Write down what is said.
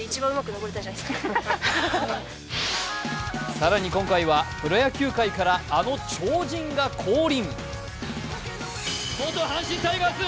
更に今回はプロ野球界から、あの超人が降臨。